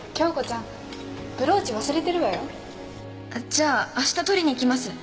じゃあ明日取りに行きます。